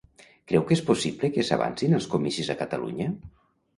Creu que és possible que s'avancin els comicis a Catalunya?